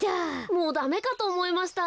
もうダメかとおもいました。